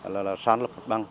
là sản lập mật bằng